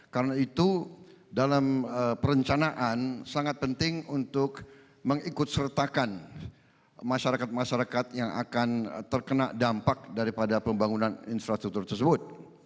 karena itu dalam perencanaan sangat penting untuk mengikut sertakan masyarakat masyarakat yang akan terkena dampak daripada pembangunan infrastruktur tersebut